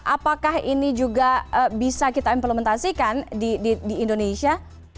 apakah ini juga bisa kita implementasikan di indonesia